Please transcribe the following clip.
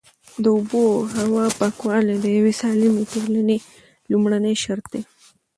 د اوبو او هوا پاکوالی د یوې سالمې ټولنې لومړنی شرط دی.